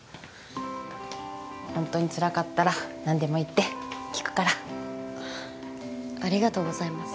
ホントにつらかったら何でも言って聞くからありがとうございます